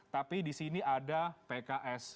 tapi di sini ada pks